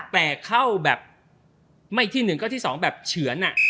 แต่เข้าแบบไม่ที่หนึ่งก็ที่สองแบบเฉือนอ่ะ